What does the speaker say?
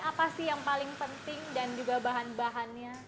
apa sih yang paling penting dan juga bahan bahannya